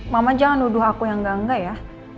mama jangan nuduh aku yang gak nggak ya